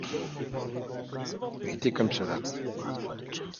Il était comme cela.